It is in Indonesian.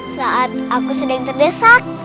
saat aku sedang terdesak